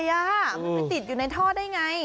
มันไปติดอยู่ในท่อได้ไง